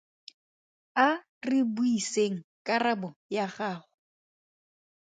A re buiseng karabo ya gago.